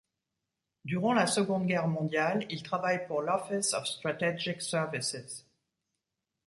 Durant la Seconde Guerre mondiale, il travaille pour l'Office of Strategic Services.